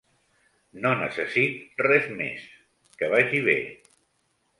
No necessit res més, que vagi bé!